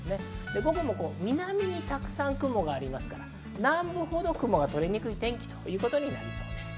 午後も南にたくさんの雲がありますから南部ほど雲が取れにくい天気となりそうです。